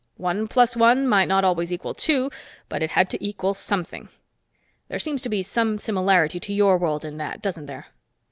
One plus one might not always equal two, but it had to equal something. There seems to be some similarity to your world in that, doesn't there?